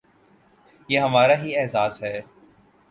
یہ ہمارا ہی اعزاز ہے۔